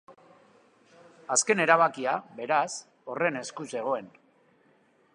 Azken erabakia, beraz, horren esku zegoen.